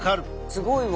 すごいわ。